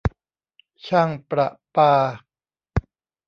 ช่างประปา